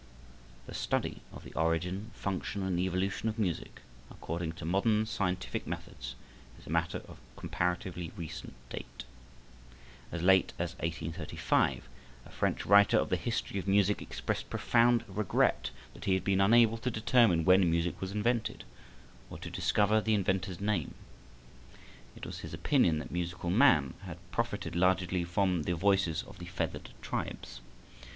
The study of the origin, function and evolution of music, according to modern scientific methods, is a matter of comparatively recent date. As late as 1835 a French writer of the history of music expressed profound regret that he had been unable to determine when music was invented, or to discover the inventor's name. It was his opinion that musical man had profited largely from the voices of the feathered tribes.